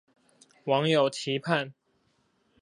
網友期盼